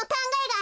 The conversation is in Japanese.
あ。